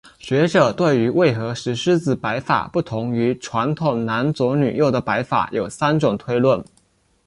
学者对于为何石狮子摆法不同于传统男左女右的摆法有三种推论。